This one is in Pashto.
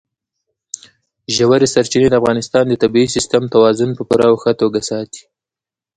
ژورې سرچینې د افغانستان د طبعي سیسټم توازن په پوره او ښه توګه ساتي.